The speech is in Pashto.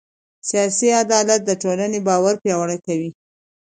سیاسي عدالت د ټولنې باور پیاوړی کوي